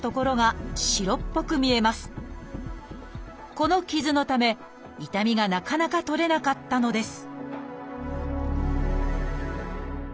この傷のため痛みがなかなか取れなかったのです